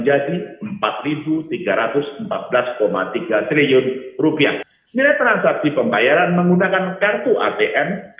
pada januari dua ribu dua puluh dua nilai transaksi uang elektronik tumbuh tinggi